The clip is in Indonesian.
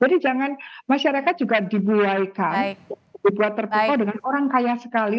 jadi jangan masyarakat juga dibulaikan dibuat terpukau dengan orang kaya sekali